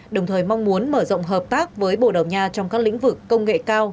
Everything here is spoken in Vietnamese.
đồng thời mong muốn mở rộng hợp tác với bồ đào nha trong các lĩnh vực công nghệ cao